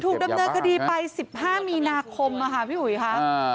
ถูกดำเนินคดีไป๑๕มีนาคมค่ะพี่อุ๋ยค่ะ